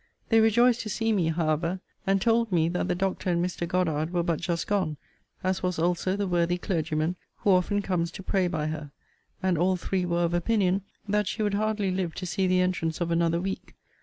They rejoiced to see me, however; and told me, that the Doctor and Mr. Goddard were but just gone; as was also the worthy clergyman, who often comes to pray by her; and all three were of opinion, that she would hardly live to see the entrance of another week.